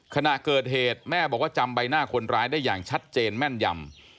ขณะเกิดเหตุแม่บอกว่าจำใบหน้าคนร้ายได้อย่างชัดเจนแม่นยำ